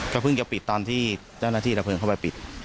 เขาเพิ่งจะปิดตอนที่เจ้าหน้าที่เข้าไปปิด